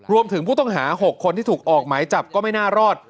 รวมถึงผู้ต้องหา๖คนที่ถูกออกหมายจับก็ไม่น่ารอด